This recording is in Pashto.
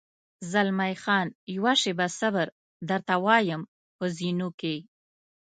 زلمی خان: یوه شېبه صبر، درته وایم، په زینو کې.